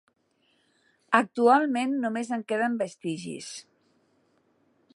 Actualment només en queden vestigis.